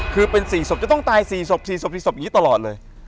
คือเป็นสี่ศพจะต้องตายสี่ศพสี่ศพสี่ศพอย่างนี้ตลอดเลย